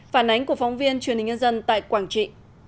phản ánh của phóng viên truyền hình nhân dân tại quảng trị